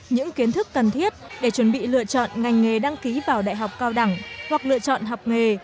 những kiến thức cần thiết để chuẩn bị lựa chọn ngành nghề đăng ký vào đại học cao đẳng hoặc lựa chọn học nghề